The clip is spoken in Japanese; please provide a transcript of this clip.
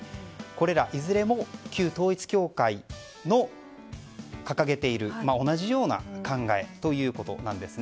これらいずれも旧統一教会の掲げている同じような考えということです。